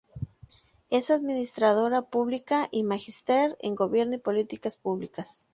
Es administradora pública y Magíster en Gobierno y políticas públicas.